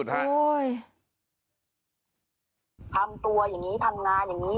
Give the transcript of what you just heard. ทำตัวอย่างนี้ทำงานอย่างนี้